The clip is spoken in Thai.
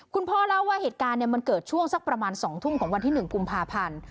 คุณพ่อเล่าว่าเหตุการณ์มันเกิดช่วงสักประมาณ๒ทุ่มของวันที่๑กุมภาพันธ์